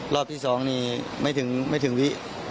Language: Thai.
รอบที่๒นี่ไม่ถึงวิ